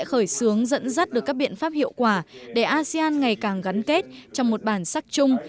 khởi xướng dẫn dắt được các biện pháp hiệu quả để asean ngày càng gắn kết trong một bản sắc chung